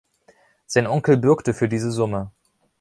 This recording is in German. Sein Onkel bürgte für diese Summe.